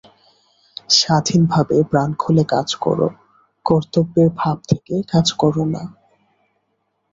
স্বাধীনভাবে প্রাণ খুলে কাজ কর, কর্তব্যের ভাব থেকে কাজ কর না।